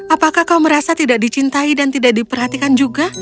apakah kau merasa tidak dicintai dan tidak diperhatikan juga